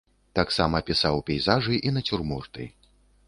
Таксама пісаў пейзажы і нацюрморты.